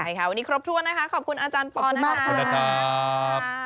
วันนี้ครบทั่วนะคะขอบคุณอาจารย์ปอล์นะครับ